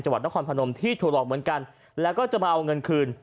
วัดนครพนมที่ถูกหลอกเหมือนกันแล้วก็จะมาเอาเงินคืน